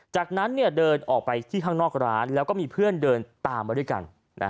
จากนั้นเดินออกไปที่ข้างนอกร้านแล้วก็มีเพื่อนเดินตามมาด้วยกัน